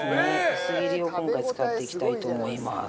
薄切りを今回使っていきたいと思います。